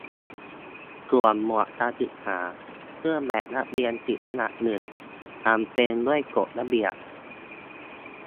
ส่วนหมวดการศึกษา เครื่องแบบนักเรียนติดอันดับหนึ่ง "จำเป็น" ด้วยกฎระเบียบ